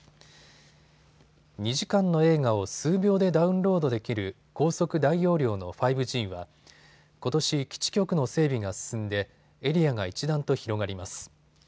２時間の映画を数秒でダウンロードできる高速・大容量の５Ｇはことし、基地局の整備が進んでエリアが一段と広がります。